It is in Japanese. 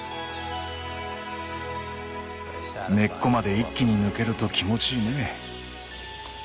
根っこまで一気に抜けると気持ちいいね。